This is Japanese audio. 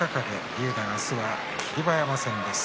竜電は霧馬山戦です。